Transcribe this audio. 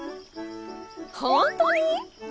ほんとに？